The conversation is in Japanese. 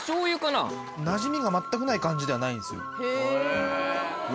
なじみが全くない感じではないんですよ。